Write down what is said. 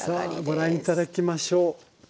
さあご覧頂きましょう。